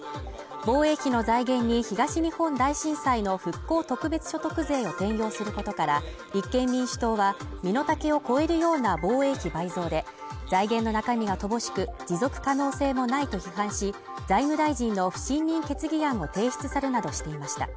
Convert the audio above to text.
防衛費の財源に東日本大震災の復興特別所得税を転用することから、立憲民主党は、身の丈を超えるような防衛費倍増で財源の中身が乏しく、持続可能性もないと批判し、財務大臣の不信任決議案を提出するなどしていました。